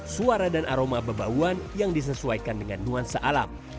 suara dan aroma bebauan yang disesuaikan dengan nuansa alam